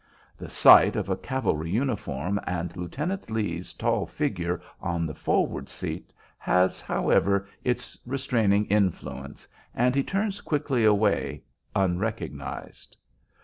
The sight of a cavalry uniform and Lieutenant Lee's tall figure on the forward seat has, however, its restraining influence, and he turns quickly away unrecognized.